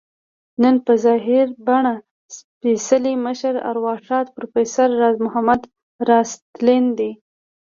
نن په ظاهر ، باطن سپیڅلي مشر، ارواښاد پروفیسر راز محمد راز تلين دی